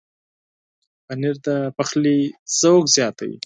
پنېر د پخلي ذوق زیاتوي.